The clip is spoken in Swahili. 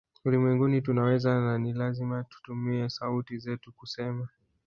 Ulimwenguni tunaweza na ni lazima tutumie sauti zetu kusema